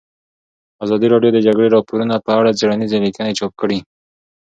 ازادي راډیو د د جګړې راپورونه په اړه څېړنیزې لیکنې چاپ کړي.